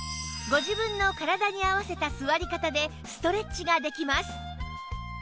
ご自分の体に合わせた座り方でストレッチができます